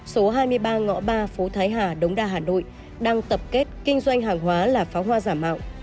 số hai mươi ba ngõ ba phố thái hà đống đa hà nội đang tập kết kinh doanh hàng hóa là pháo hoa giả mạo